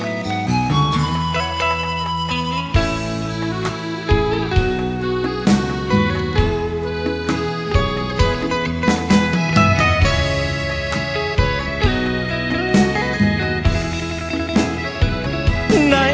และเริ่มตัวด้วยอย่างรวมเกินไป